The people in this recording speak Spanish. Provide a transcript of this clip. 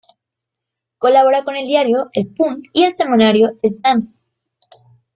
Colabora con el diario "El Punt" y el semanario "El Temps".